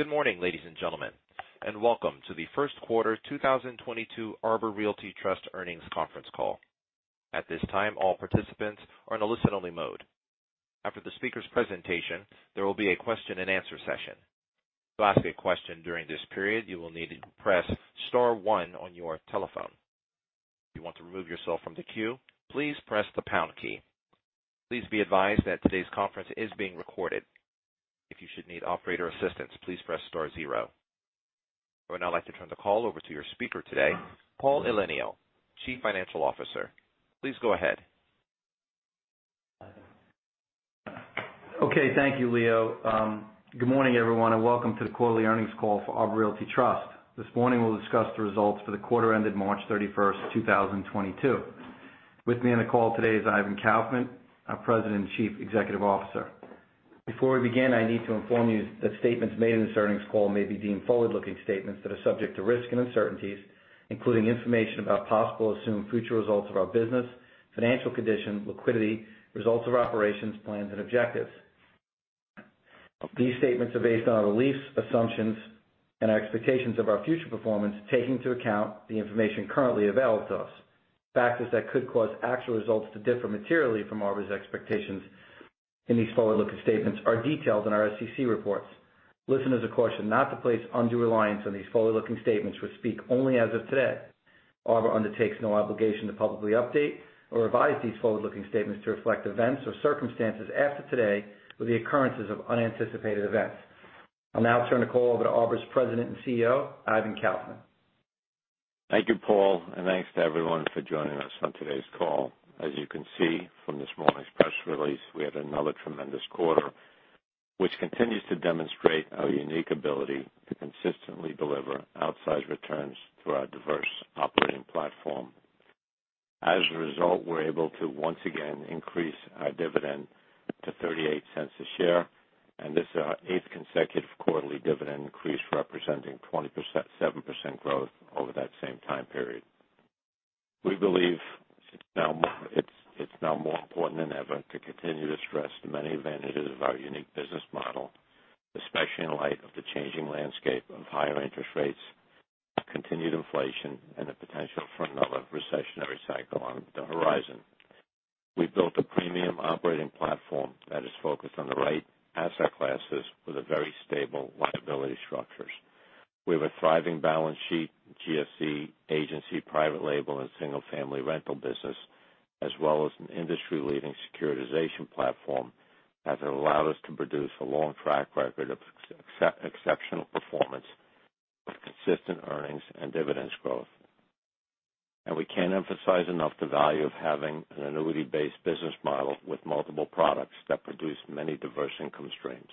Good morning, ladies and gentlemen, and welcome to the First Quarter 2022 Arbor Realty Trust Earnings Conference Call. At this time, all participants are in a listen-only mode. After the speaker's presentation, there will be a question-and-answer session. To ask a question during this period, you will need to press star one on your telephone. If you want to remove yourself from the queue, please press the pound key. Please be advised that today's conference is being recorded. If you should need operator assistance, please press star zero. I would now like to turn the call over to your speaker today, Paul Elenio, Chief Financial Officer. Please go ahead. Okay. Thank you, Leo. Good morning, everyone, and welcome to the quarterly earnings call for Arbor Realty Trust. This morning we'll discuss the results for the quarter ended March 31st, 2022. With me on the call today is Ivan Kaufman, our President and Chief Executive Officer. Before we begin, I need to inform you that statements made in this earnings call may be deemed forward-looking statements that are subject to risks and uncertainties, including information about possible assumed future results of our business, financial condition, liquidity, results of operations, plans, and objectives. These statements are based on our beliefs, assumptions, and expectations of our future performance, taking into account the information currently available to us. Factors that could cause actual results to differ materially from Arbor's expectations in these forward-looking statements are detailed in our SEC reports. Listeners are cautioned not to place undue reliance on these forward-looking statements, which speak only as of today. Arbor undertakes no obligation to publicly update or revise these forward-looking statements to reflect events or circumstances after today with the occurrences of unanticipated events. I'll now turn the call over to Arbor's President and CEO, Ivan Kaufman. Thank you, Paul, and thanks to everyone for joining us on today's call. As you can see from this morning's press release, we had another tremendous quarter, which continues to demonstrate our unique ability to consistently deliver outsized returns through our diverse operating platform. As a result, we're able to once again increase our dividend to $0.38 a share, and this is our eighth consecutive quarterly dividend increase, representing 70% growth over that same time period. We believe it's now more important than ever to continue to stress the many advantages of our unique business model, especially in light of the changing landscape of higher interest rates, continued inflation, and the potential for another recessionary cycle on the horizon. We've built a premium operating platform that is focused on the right asset classes with a very stable liability structures. We have a thriving balance sheet, GSE, agency, private label, and single-family rental business, as well as an industry-leading securitization platform that has allowed us to produce a long track record of exceptional performance with consistent earnings and dividends growth. We can't emphasize enough the value of having an annuity-based business model with multiple products that produce many diverse income streams.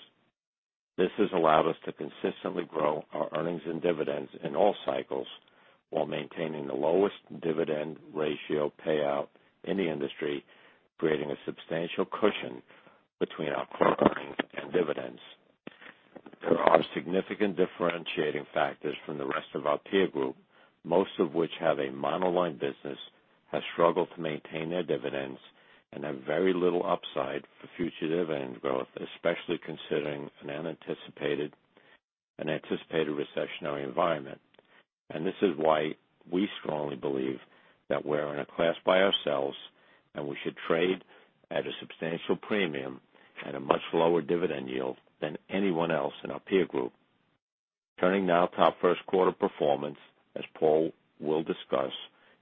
This has allowed us to consistently grow our earnings and dividends in all cycles while maintaining the lowest dividend ratio payout in the industry, creating a substantial cushion between our core earnings and dividends. There are significant differentiating factors from the rest of our peer group, most of which have a monoline business, have struggled to maintain their dividends, and have very little upside for future dividend growth, especially considering an anticipated recessionary environment. This is why we strongly believe that we're in a class by ourselves, and we should trade at a substantial premium at a much lower dividend yield than anyone else in our peer group. Turning now to our first quarter performance, as Paul will discuss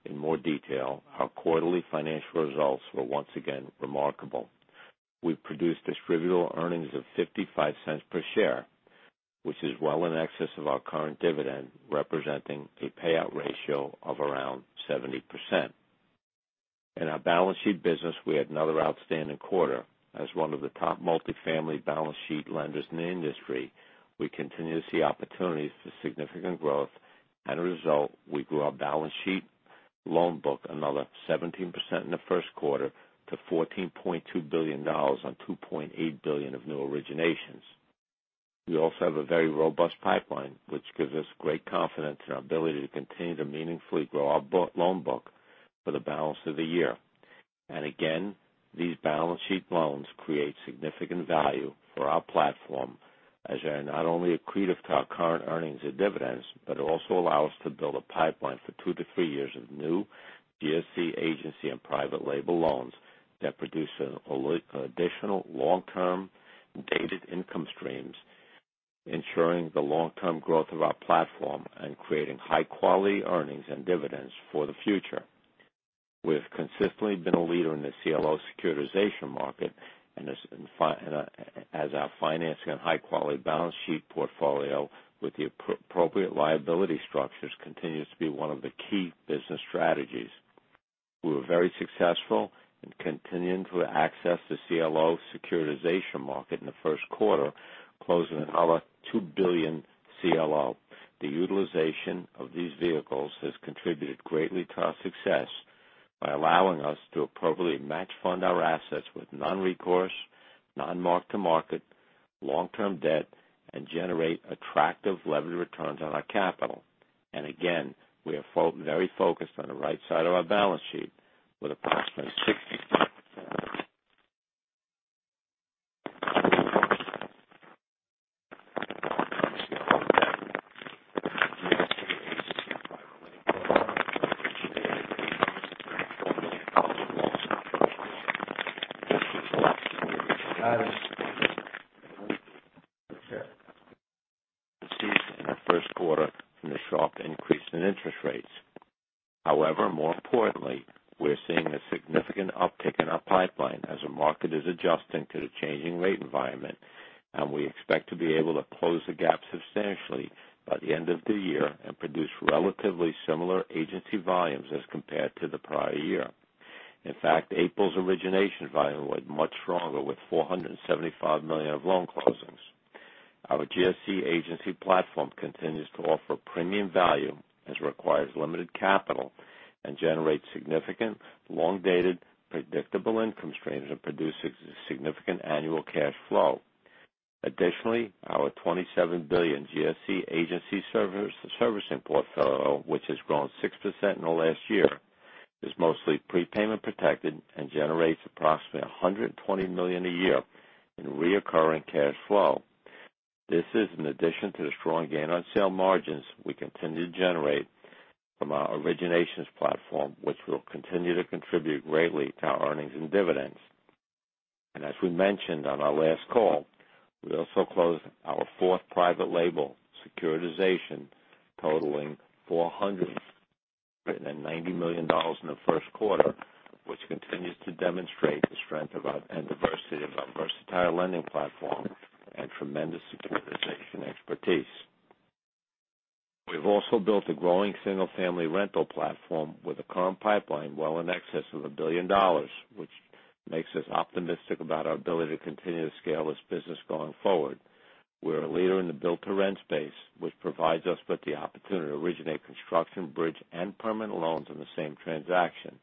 in more detail, our quarterly financial results were once again remarkable. We produced distributable earnings of $0.55 per share, which is well in excess of our current dividend, representing a payout ratio of around 70%. In our balance sheet business, we had another outstanding quarter. As one of the top multifamily balance sheet lenders in the industry, we continue to see opportunities for significant growth. As a result, we grew our balance sheet loan book another 17% in the first quarter to $14.2 billion on $2.8 billion of new originations. We also have a very robust pipeline, which gives us great confidence in our ability to continue to meaningfully grow our B-loan book for the balance of the year. Again, these balance sheet loans create significant value for our platform, as they're not only accretive to our current earnings and dividends, but also allow us to build a pipeline for two to three years of new GSE agency and private label loans that produce an additional long-term dated income streams, ensuring the long-term growth of our platform and creating high-quality earnings and dividends for the future. We've consistently been a leader in the CLO securitization market, and as our financing and high-quality balance sheet portfolio with the appropriate liability structures continues to be one of the key business strategies. We were very successful in continuing to access the CLO securitization market in the first quarter, closing another $2 billion CLO. The utilization of these vehicles has contributed greatly to our success by allowing us to appropriately match fund our assets with non-recourse, non-mark-to-market long-term debt and generate attractive levered returns on our capital. Again, we are very focused on the right side of our balance sheet with approximately 60% in the first quarter from the sharp increase in interest rates. However, more importantly, we're seeing a significant uptick in our pipeline as the market is adjusting to the changing rate environment, and we expect to be able to close the gap substantially by the end of the year and produce relatively similar agency volumes as compared to the prior year. In fact, April's origination volume was much stronger, with $475 million of loan closings. Our GSE agency platform continues to offer premium value as it requires limited capital and generates significant long-dated predictable income streams and produces significant annual cash flow. Additionally, our $27 billion GSE agency servicing portfolio, which has grown 6% in the last year, is mostly prepayment protected and generates approximately $120 million a year in recurring cash flow. This is in addition to the strong gain on sale margins we continue to generate from our originations platform, which will continue to contribute greatly to our earnings and dividends. As we mentioned on our last call, we also closed our fourth private label securitization totaling $490 million in the first quarter, which continues to demonstrate the strength and diversity of our versatile lending platform and tremendous securitization expertise. We've also built a growing single-family rental platform with a current pipeline well in excess of $1 billion, which makes us optimistic about our ability to continue to scale this business going forward. We're a leader in the build-to-rent space, which provides us with the opportunity to originate construction, bridge, and permanent loans in the same transaction.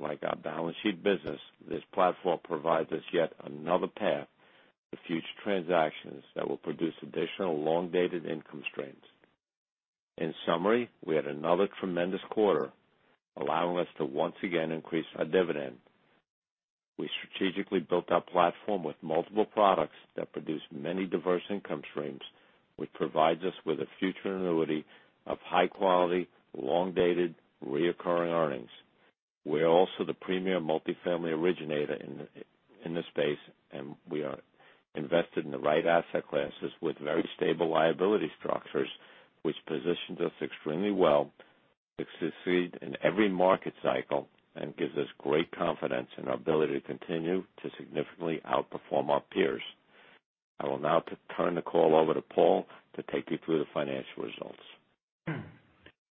Like our balance sheet business, this platform provides us yet another path to future transactions that will produce additional long-dated income streams. In summary, we had another tremendous quarter allowing us to once again increase our dividend. We strategically built our platform with multiple products that produce many diverse income streams, which provides us with a future annuity of high quality, long-dated, recurring earnings. We are also the premier multifamily originator in this space, and we are invested in the right asset classes with very stable liability structures, which positions us extremely well to succeed in every market cycle and gives us great confidence in our ability to continue to significantly outperform our peers. I will now turn the call over to Paul to take you through the financial results.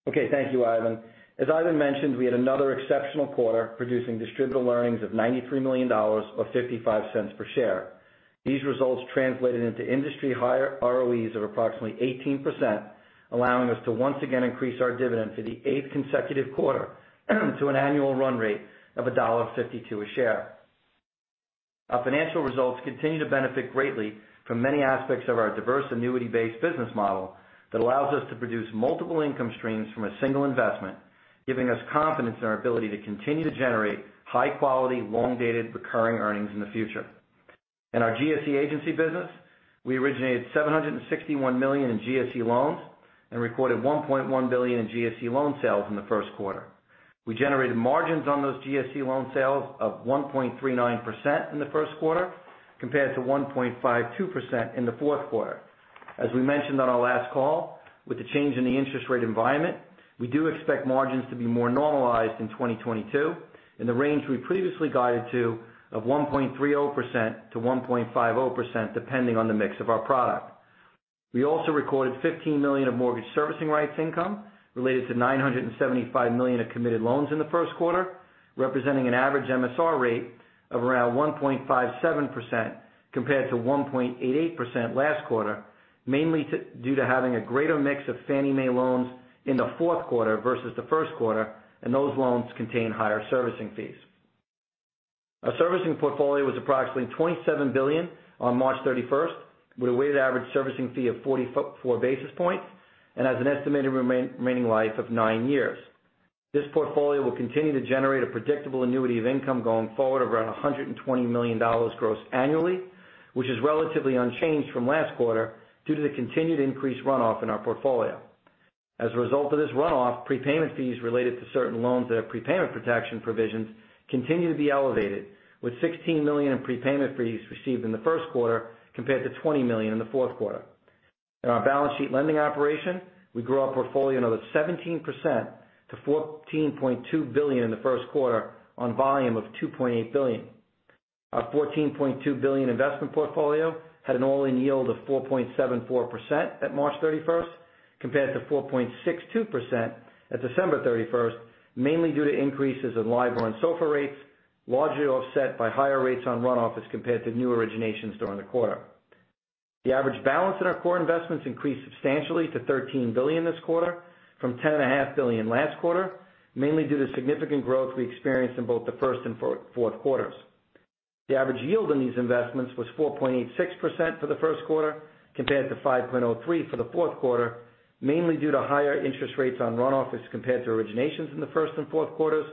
Okay. Thank you, Ivan. As Ivan mentioned, we had another exceptional quarter producing distributable earnings of $93 million or $0.55 per share. These results translated into industry-high ROEs of approximately 18%, allowing us to once again increase our dividend for the eighth consecutive quarter to an annual run rate of $1.52 per share. Our financial results continue to benefit greatly from many aspects of our diverse annuity-based business model that allows us to produce multiple income streams from a single investment, giving us confidence in our ability to continue to generate high quality, long-dated, recurring earnings in the future. In our GSE agency business, we originated $761 million in GSE loans and recorded $1.1 billion in GSE loan sales in the first quarter. We generated margins on those GSE loan sales of 1.39% in the first quarter compared to 1.52% in the fourth quarter. As we mentioned on our last call, with the change in the interest rate environment, we do expect margins to be more normalized in 2022 in the range we previously guided to of 1.30%-1.50%, depending on the mix of our product. We also recorded $15 million of mortgage servicing rights income related to $975 million of committed loans in the first quarter, representing an average MSR rate of around 1.57% compared to 1.88% last quarter, mainly due to having a greater mix of Fannie Mae loans in the fourth quarter versus the first quarter, and those loans contain higher servicing fees. Our servicing portfolio was approximately $27 billion on March 31st, with a weighted average servicing fee of 44 basis points and has an estimated remaining life of nine years. This portfolio will continue to generate a predictable annuity of income going forward around $120 million gross annually, which is relatively unchanged from last quarter due to the continued increased runoff in our portfolio. As a result of this runoff, prepayment fees related to certain loans that have prepayment protection provisions continue to be elevated, with $16 million in prepayment fees received in the first quarter compared to $20 million in the fourth quarter. In our balance sheet lending operation, we grew our portfolio another 17% to $14.2 billion in the first quarter on volume of $2.8 billion. Our $14.2 billion investment portfolio had an all-in yield of 4.74% at March 31st, compared to 4.62% at December 31st, mainly due to increases in LIBOR and SOFR rates, largely offset by higher rates on runoff as compared to new originations during the quarter. The average balance in our core investments increased substantially to $13 billion this quarter from $10.5 billion last quarter, mainly due to significant growth we experienced in both the first and fourth quarters. The average yield on these investments was 4.86% for the first quarter compared to 5.03% for the fourth quarter, mainly due to higher interest rates on runoff as compared to originations in the first and fourth quarters,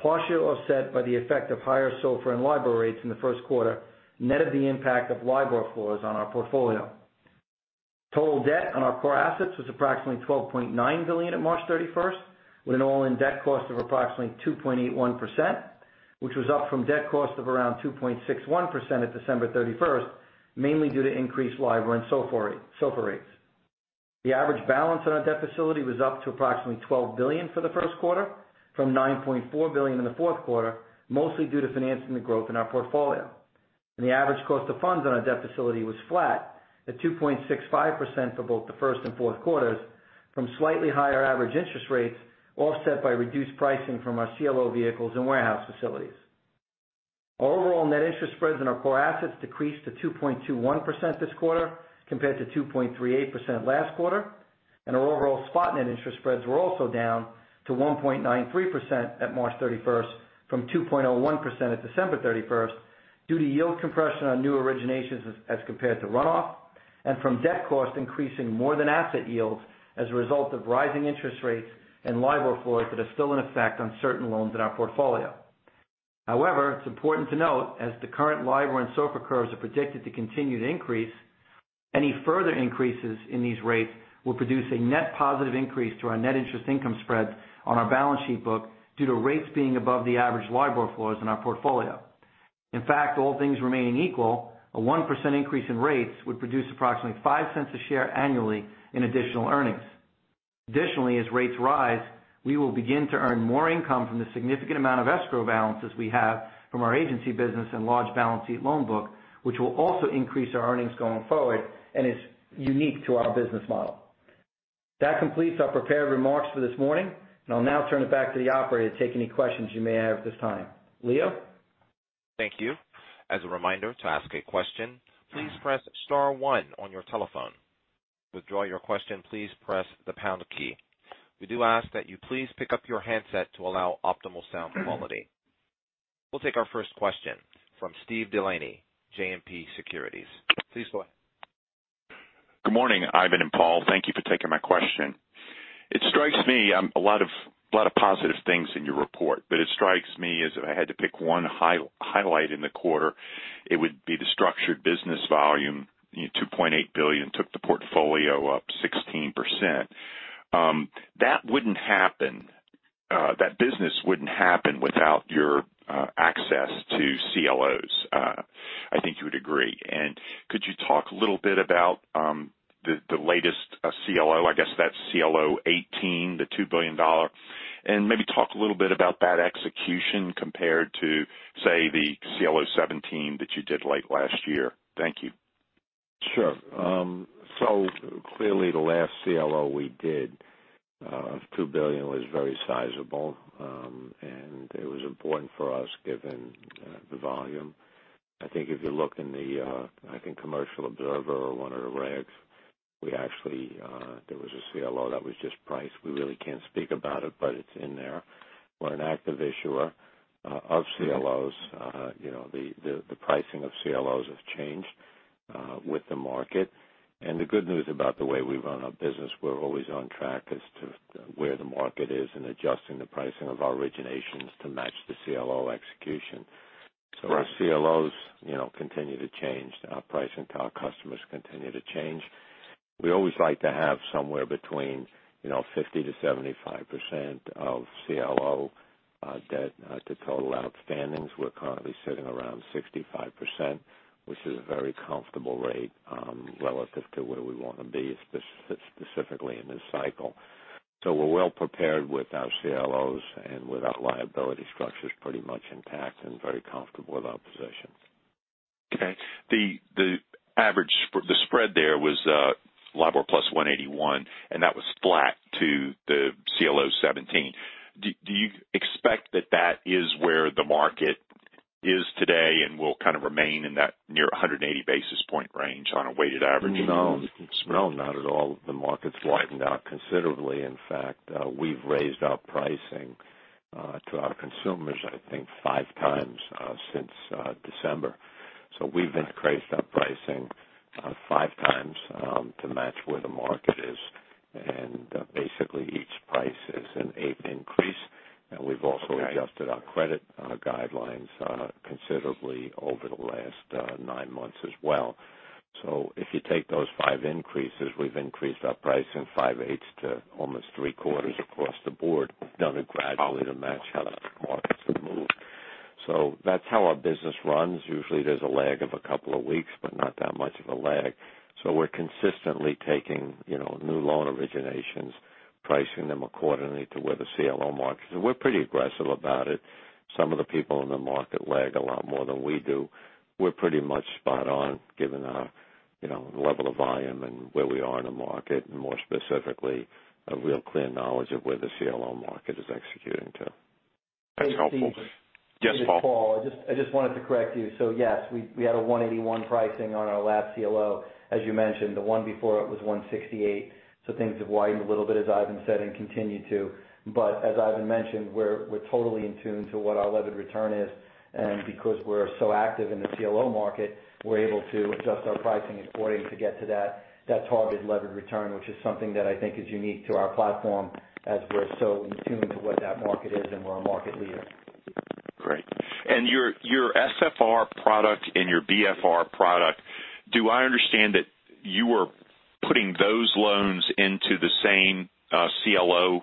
partially offset by the effect of higher SOFR and LIBOR rates in the first quarter, net of the impact of LIBOR floors on our portfolio. Total debt on our core assets was approximately $12.9 billion at March 31st, with an all-in debt cost of approximately 2.81%, which was up from debt cost of around 2.61% at December 31st, mainly due to increased LIBOR and SOFR rates. The average balance on our debt facility was up to approximately $12 billion for the first quarter from $9.4 billion in the fourth quarter, mostly due to financing the growth in our portfolio. The average cost of funds on our debt facility was flat at 2.65% for both the first and fourth quarters from slightly higher average interest rates, offset by reduced pricing from our CLO vehicles and warehouse facilities. Overall net interest spreads in our core assets decreased to 2.21% this quarter compared to 2.38% last quarter. Our overall spot net interest spreads were also down to 1.93% at March 31st from 2.01% at December 31st, due to yield compression on new originations as compared to runoff and from debt cost increasing more than asset yields as a result of rising interest rates and LIBOR floors that are still in effect on certain loans in our portfolio. However, it's important to note, as the current LIBOR and SOFR curves are predicted to continue to increase, any further increases in these rates will produce a net positive increase to our net interest income spreads on our balance sheet book due to rates being above the average LIBOR floors in our portfolio. In fact, all things remaining equal, a 1% increase in rates would produce approximately $0.05 a share annually in additional earnings. Additionally, as rates rise, we will begin to earn more income from the significant amount of escrow balances we have from our agency business and large balance sheet loan book, which will also increase our earnings going forward and is unique to our business model. That completes our prepared remarks for this morning. I'll now turn it back to the operator to take any questions you may have at this time. Leo? Thank you. As a reminder, to ask a question, please press star one on your telephone. To withdraw your question, please press the pound key. We do ask that you please pick up your handset to allow optimal sound quality. We'll take our first question from Steve DeLaney, JMP Securities. Please go ahead. Good morning, Ivan and Paul. Thank you for taking my question. It strikes me a lot of positive things in your report, but it strikes me as if I had to pick one highlight in the quarter, it would be the structured business volume. You know, $2.8 billion took the portfolio up 16%. That wouldn't happen, that business wouldn't happen without your access to CLOs, I think you would agree. Could you talk a little bit about the latest CLO, I guess that's CLO 18, the $2 billion. And maybe talk a little bit about that execution compared to, say, the CLO 17 that you did late last year. Thank you. Sure. Clearly the last CLO we did of $2 billion was very sizable. It was important for us given the volume. I think if you look in the, I think, Commercial Observer or one of the press, there was a CLO that was just priced. We really can't speak about it, but it's in there. We're an active issuer of CLOs. You know, the pricing of CLOs has changed with the market. The good news about the way we run our business, we're always on track as to where the market is and adjusting the pricing of our originations to match the CLO execution. Our CLOs, you know, continue to change, our pricing to our customers continue to change. We always like to have somewhere between, you know, 50%-75% of CLO debt to total outstanding. We're currently sitting around 65%, which is a very comfortable rate relative to where we wanna be specifically in this cycle. We're well prepared with our CLOs and with our liability structures pretty much intact and very comfortable with our position. Okay. The average for the spread there was LIBOR + 181, and that was flat to the CLO 17. Do you expect that is where the market is today and will kind of remain in that near a 180 basis points range on a weighted average? No. No, not at all. The market's widened out considerably. In fact, we've raised our pricing to our consumers I think 5x since December. We've increased our pricing 5x to match where the market is. Basically, each price is an eight increase. We've also adjusted our credit guidelines considerably over the last nine months as well. If you take those five increases, we've increased our pricing five-eighths to almost three-quarters across the board. We've done it gradually to match how the market's moved. That's how our business runs. Usually there's a lag of a couple of weeks, but not that much of a lag. We're consistently taking, you know, new loan originations, pricing them accordingly to where the CLO market is. We're pretty aggressive about it. Some of the people in the market lag a lot more than we do. We're pretty much spot on given our, you know, level of volume and where we are in the market, and more specifically, a real clear knowledge of where the CLO market is executing to. That's helpful. Thanks, Steve. Yes, Paul. This is Paul. I just wanted to correct you. Yes, we had a 181 pricing on our last CLO, as you mentioned. The one before it was 168. Things have widened a little bit, as Ivan said, and continue to. As Ivan mentioned, we're totally in tune to what our levered return is. Because we're so active in the CLO market, we're able to adjust our pricing in order to get to that target levered return, which is something that I think is unique to our platform as we're so in tune to what that market is, and we're a market leader. Great. Your SFR product and your BTR product, do I understand that you are putting those loans into the same CLO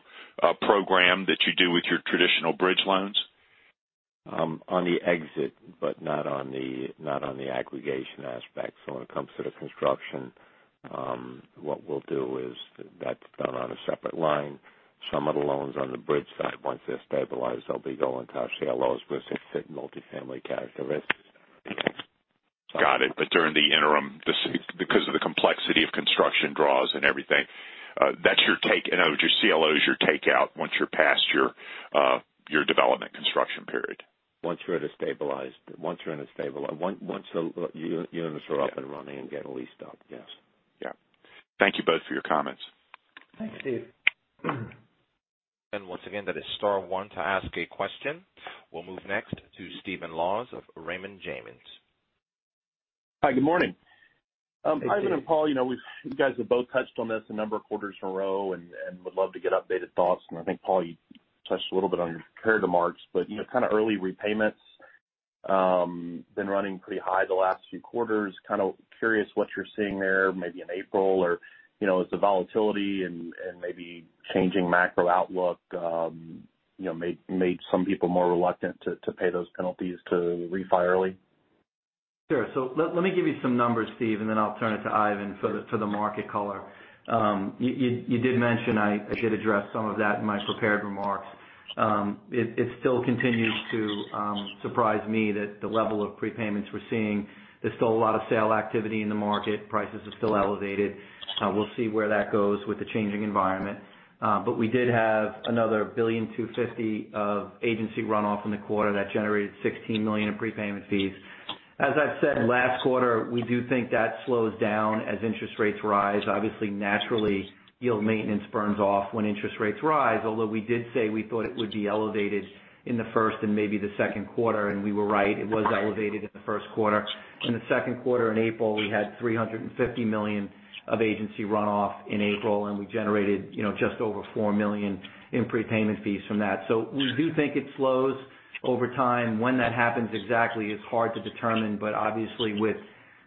program that you do with your traditional bridge loans? On the exit, but not on the aggregation aspect. When it comes to the construction, what we'll do is that's done on a separate line. Some of the loans on the bridge side, once they're stabilized, they'll be going to our CLOs with multifamily characteristics. Got it. During the interim, because of the complexity of construction draws and everything, that's your take. In other words, your CLO is your take out once you're past your development construction period. Once the units are up and running and get leased up, yes. Yeah. Thank you both for your comments. Thanks, Steve. Once again, that is star one to ask a question. We'll move next to Stephen Laws of Raymond James. Hi, good morning. Hi, Steve. Ivan and Paul, you know, you guys have both touched on this a number of quarters in a row and would love to get updated thoughts. I think, Paul, you touched a little bit on your prepared remarks. You know, kind of early repayments been running pretty high the last few quarters. Kinda curious what you're seeing there maybe in April or, you know, is the volatility and maybe changing macro outlook, you know, made some people more reluctant to pay those penalties to refi early? Sure. Let me give you some numbers, Steve, and then I'll turn it to Ivan for the market color. You did mention I did address some of that in my prepared remarks. It still continues to surprise me that the level of prepayments we're seeing. There's still a lot of sale activity in the market. Prices are still elevated. We'll see where that goes with the changing environment. We did have another $1.25 billion of agency runoff in the quarter. That generated $16 million in prepayment fees. As I've said last quarter, we do think that slows down as interest rates rise. Obviously, naturally, yield maintenance burns off when interest rates rise, although we did say we thought it would be elevated in the first and maybe the second quarter, and we were right. It was elevated in the first quarter. In the second quarter, in April, we had $350 million of agency runoff in April, and we generated, you know, just over $4 million in prepayment fees from that. We do think it slows over time. When that happens exactly is hard to determine. Obviously, with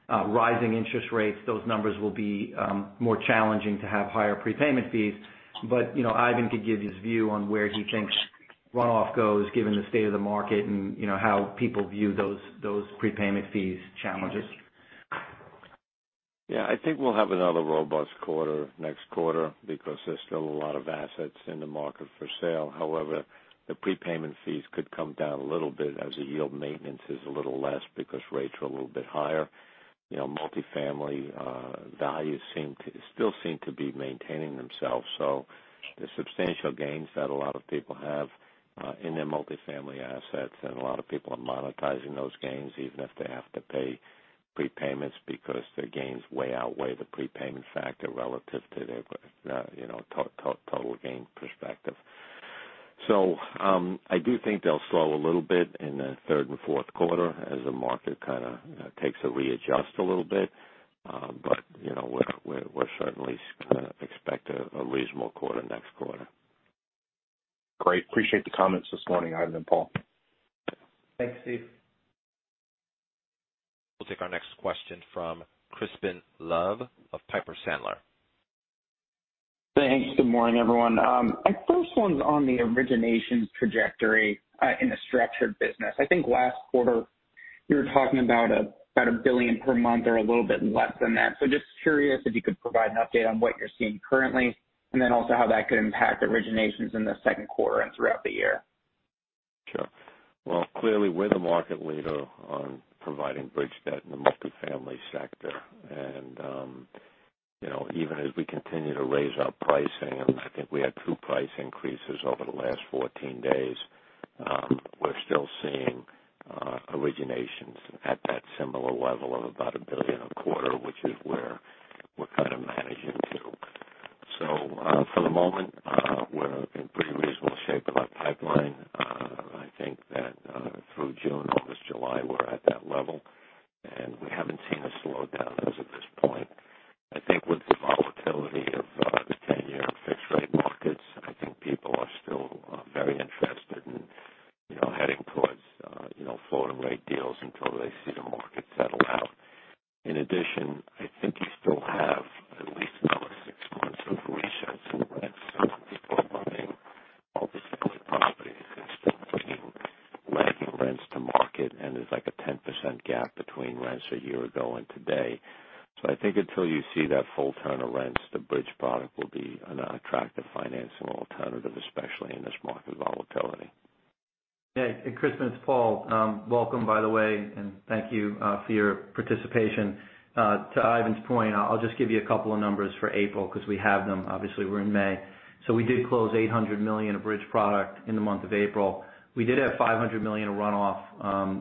rising interest rates, those numbers will be more challenging to have higher prepayment fees. You know, Ivan could give his view on where he thinks runoff goes given the state of the market and, you know, how people view those prepayment fees challenges. Yeah. I think we'll have another robust quarter next quarter because there's still a lot of assets in the market for sale. However, the prepayment fees could come down a little bit as the yield maintenance is a little less because rates are a little bit higher. You know, multifamily values still seem to be maintaining themselves. The substantial gains that a lot of people have in their multifamily assets and a lot of people are monetizing those gains even if they have to pay prepayments because their gains way outweigh the prepayment factor relative to their you know total gain perspective. I do think they'll slow a little bit in the third and fourth quarter as the market kinda readjusts a little bit. You know, we're certainly kinda expect a reasonable quarter next quarter. Great. Appreciate the comments this morning, Ivan and Paul. Thanks, Steve. We'll take our next question from Crispin Love of Piper Sandler. Thanks. Good morning, everyone. My first one's on the origination trajectory in the structured business. I think last quarter, you were talking about $1 billion per month or a little bit less than that. Just curious if you could provide an update on what you're seeing currently, and then also how that could impact originations in the second quarter and throughout the year. Sure. Well, clearly, we're the market leader on providing bridge debt in the multifamily sector. You know, even as we continue to raise our pricing, and I think we had two price increases over the last 14 days, we're still seeing originations at that similar level of about $1 billion a quarter, which is where we're kind of managing to. For the moment, we're in pretty reasonable shape in our pipeline. I think that through June, August, July, we're at that level. We haven't seen a slowdown as of this point. I think with the volatility of the 10-year fixed rate markets, I think people are still very interested in, you know, heading towards, you know, floating rate deals until they see the market settle out. In addition, I think you still have at least another six months of resets and rents. People are buying all these properties and still bringing lagging rents to market, and there's like a 10% gap between rents a year ago and today. I think until you see that full turn of rents, the bridge product will be an attractive financing alternative, especially in this market volatility. Yeah. Crispin, it's Paul. Welcome, by the way, and thank you for your participation. To Ivan's point, I'll just give you a couple of numbers for April because we have them. Obviously, we're in May. We did close $800 million of bridge product in the month of April. We did have $500 million of runoff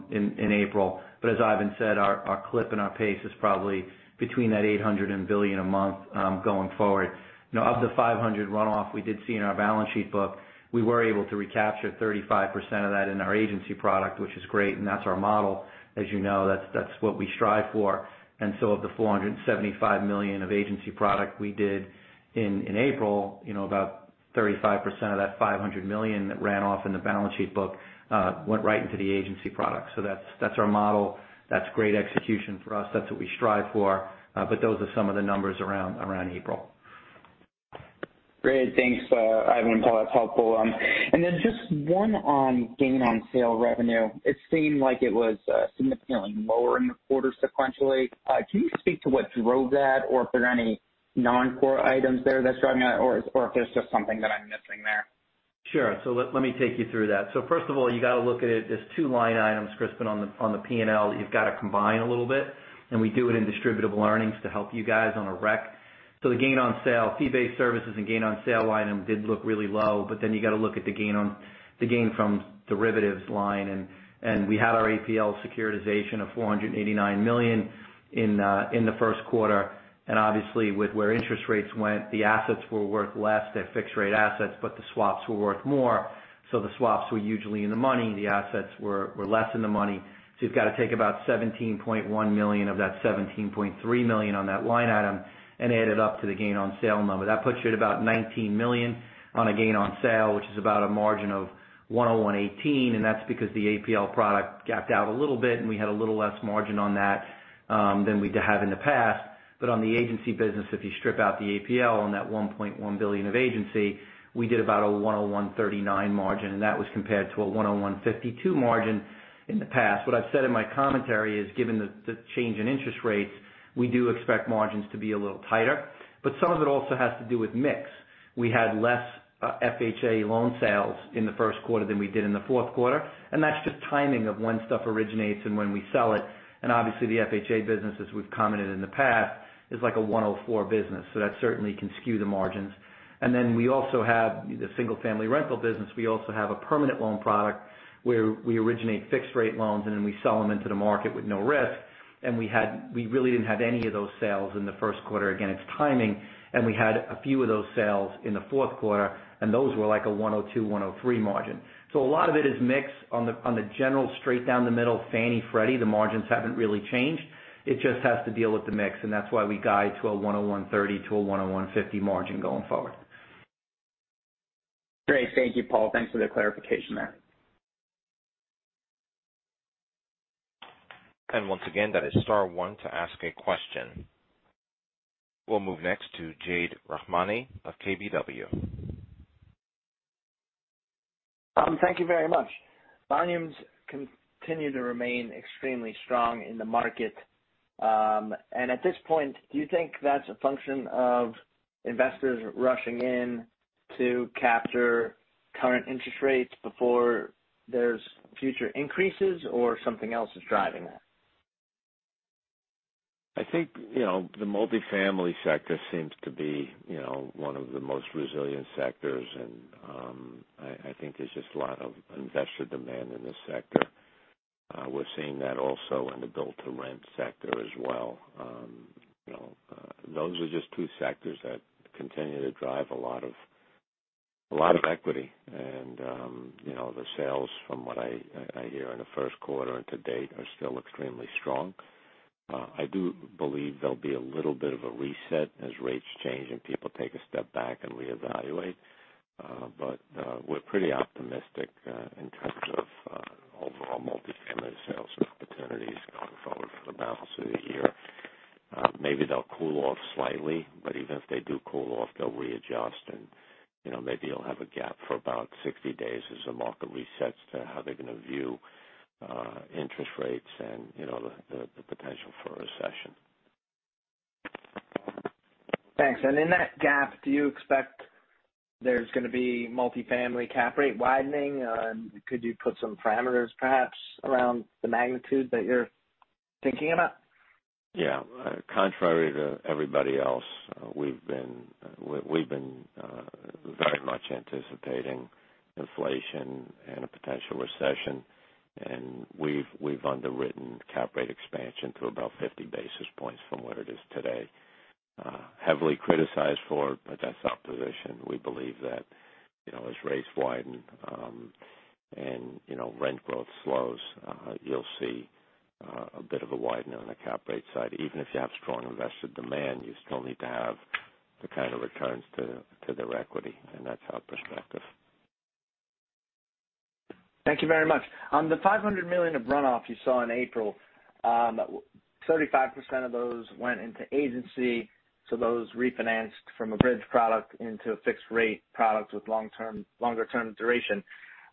in April. But as Ivan said, our clip and our pace is probably between that $800 million and a billion a month going forward. Now of the $500 million runoff we did see in our balance sheet book, we were able to recapture 35% of that in our agency product, which is great, and that's our model. As you know, that's what we strive for. Of the $475 million of agency product we did in April, you know, about 35% of that $500 million that ran off in the balance sheet book, went right into the agency product. That's our model. That's great execution for us. That's what we strive for. Those are some of the numbers around April. Great. Thanks, Ivan and Paul. That's helpful. Just one on gain on sale revenue. It seemed like it was significantly lower in the quarter sequentially. Can you speak to what drove that or if there are any non-core items there that's driving that or if there's just something that I'm missing there? Sure. Let me take you through that. First of all, you gotta look at it, there's two line items, Crispin, on the P&L that you've gotta combine a little bit, and we do it in distributable earnings to help you guys on a rec. The gain on sale, fee-based services and gain on sale item did look really low, but then you gotta look at the gain from derivatives line. We had our APL securitization of $489 million in the first quarter. Obviously with where interest rates went, the assets were worth less, they're fixed rate assets, but the swaps were worth more. The swaps were usually in the money, the assets were less in the money. You've got to take about $17.1 million of that $17.3 million on that line item and add it up to the gain on sale number. That puts you at about $19 million on a gain on sale, which is about a margin of 101.18%, and that's because the APL product gapped out a little bit, and we had a little less margin on that than we'd have in the past. On the agency business, if you strip out the APL on that $1.1 billion of agency, we did about a 101.39% margin, and that was compared to a 101.52% margin in the past. What I've said in my commentary is, given the change in interest rates, we do expect margins to be a little tighter, but some of it also has to do with mix. We had less FHA loan sales in the first quarter than we did in the fourth quarter, and that's just timing of when stuff originates and when we sell it. Obviously the FHA business, as we've commented in the past, is like a 104 business. That certainly can skew the margins. We also have the single-family rental business. We also have a permanent loan product where we originate fixed rate loans, and then we sell them into the market with no risk. We really didn't have any of those sales in the first quarter. Again, it's timing. We had a few of those sales in the fourth quarter, and those were like a 102%, 103% margin. A lot of it is mix. On the general straight down the middle, Fannie, Freddie, the margins haven't really changed. It just has to deal with the mix, and that's why we guide to a 101.30%-101.50% margin going forward. Great. Thank you, Paul. Thanks for the clarification there. Once again, that is star one to ask a question. We'll move next to Jade Rahmani of KBW. Thank you very much. Volumes continue to remain extremely strong in the market. At this point, do you think that's a function of investors rushing in to capture current interest rates before there's future increases or something else is driving that? I think, you know, the multifamily sector seems to be, you know, one of the most resilient sectors and, I think there's just a lot of investor demand in this sector. We're seeing that also in the build-to-rent sector as well. You know, those are just two sectors that continue to drive a lot of equity. The sales from what I hear in the first quarter and to date are still extremely strong. I do believe there'll be a little bit of a reset as rates change and people take a step back and reevaluate. But we're pretty optimistic in terms of overall multifamily sales opportunities going forward for the balance of the year. Maybe they'll cool off slightly, but even if they do cool off, they'll readjust and, you know, maybe you'll have a gap for about 60 days as the market resets to how they're gonna view, uh, interest rates and, you know, the potential for a recession. Thanks. In that gap, do you expect there's gonna be multifamily cap rate widening? Could you put some parameters perhaps around the magnitude that you're thinking about? Yeah. Contrary to everybody else, we've been very much anticipating inflation and a potential recession. We've underwritten cap rate expansion to about 50 basis points from where it is today. Heavily criticized for, but that's our position. We believe that, you know, as rates widen, and, you know, rent growth slows, you'll see, a bit of a widen on the cap rate side. Even if you have strong investor demand, you still need to have the kind of returns to their equity, and that's our perspective. Thank you very much. On the $500 million of runoff you saw in April, 35% of those went into agency, so those refinanced from a bridge product into a fixed rate product with longer term duration.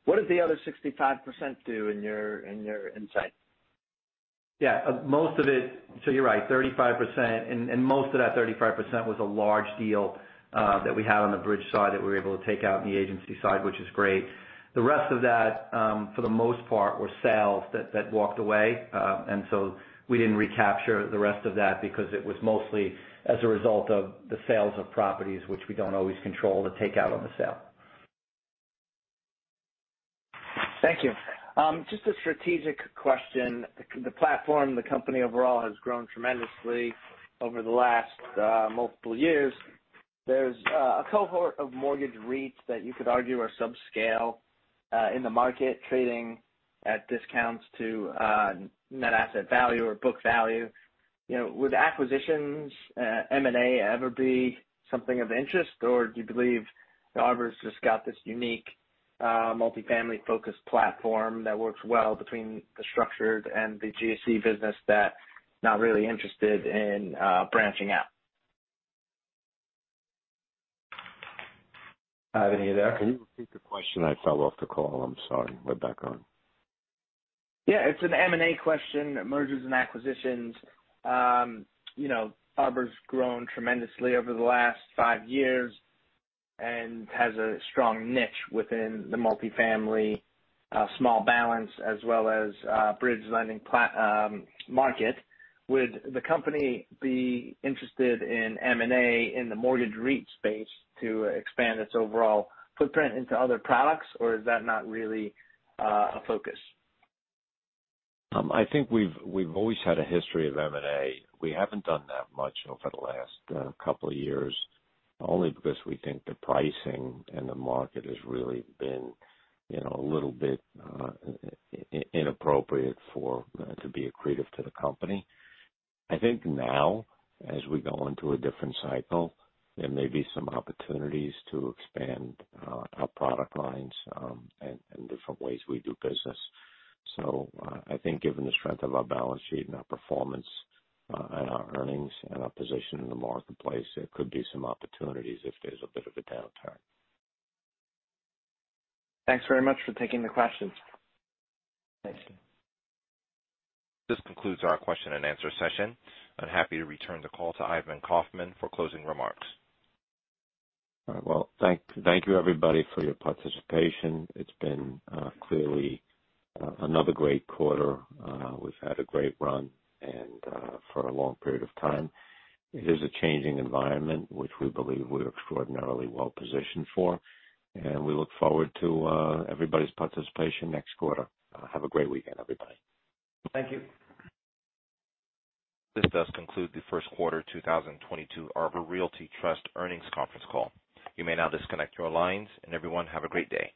What did the other 65% do in your insight? Yeah. Most of it. You're right, 35%, and most of that 35% was a large deal that we had on the bridge side that we were able to take out in the agency side, which is great. The rest of that, for the most part, were sales that walked away. We didn't recapture the rest of that because it was mostly as a result of the sales of properties which we don't always control the takeout on the sale. Thank you. Just a strategic question. The platform, the company overall has grown tremendously over the last multiple years. There's a cohort of mortgage REITs that you could argue are subscale in the market trading at discounts to net asset value or book value. You know, would acquisitions, M&A ever be something of interest, or do you believe Arbor's just got this unique multifamily-focused platform that works well between the structured and the GSE business that not really interested in branching out? Ivan, are you there? Can you repeat the question? I fell off the call. I'm sorry. We're back on. Yeah. It's an M&A question, mergers and acquisitions. You know, Arbor's grown tremendously over the last five years and has a strong niche within the multifamily, small balance as well as, bridge lending market. Would the company be interested in M&A in the mortgage REIT space to expand its overall footprint into other products, or is that not really a focus? I think we've always had a history of M&A. We haven't done that much over the last couple of years, only because we think the pricing and the market has really been, you know, a little bit inappropriate to be accretive to the company. I think now, as we go into a different cycle, there may be some opportunities to expand our product lines and different ways we do business. I think given the strength of our balance sheet and our performance and our earnings and our position in the marketplace, there could be some opportunities if there's a bit of a downturn. Thanks very much for taking the questions. Thanks. This concludes our question and answer session. I'm happy to return the call to Ivan Kaufman for closing remarks. All right. Well, thank you everybody for your participation. It's been clearly another great quarter. We've had a great run and for a long period of time. It is a changing environment which we believe we're extraordinarily well positioned for, and we look forward to everybody's participation next quarter. Have a great weekend, everybody. Thank you. This does conclude the first quarter 2022 Arbor Realty Trust earnings conference call. You may now disconnect your lines, and everyone, have a great day.